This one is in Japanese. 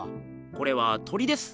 これは鳥です。